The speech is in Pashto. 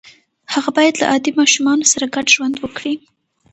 هغه باید له عادي ماشومانو سره ګډ ژوند وکړي